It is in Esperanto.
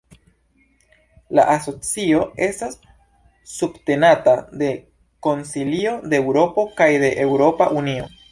La asocio estas subtenata de Konsilio de Eŭropo kaj de Eŭropa Unio.